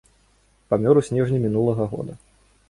Памёр у снежні мінулага года.